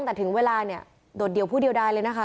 แต่ถึงเวลาเนี่ยโดดเดี่ยวผู้เดียวได้เลยนะคะ